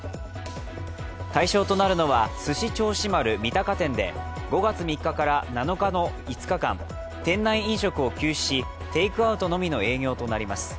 対象となるのは、すし銚子丸三鷹店で、５月３日から７日の５日間、店内飲食を休止しテイクアウトのみの営業となります。